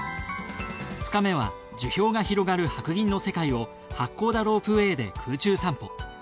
２日目は樹氷が広がる白銀の世界を八甲田ロープウェーで空中散歩。